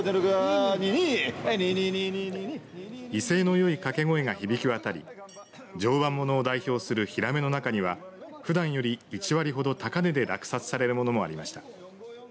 威勢のよい掛け声が響き渡り常磐ものを代表するひらめの中にはふだんより１割ほど高値で落札されるものもありました。